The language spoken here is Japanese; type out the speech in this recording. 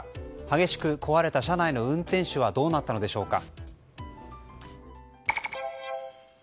激しく壊れた車内の運転手はどうなったのでしょうか。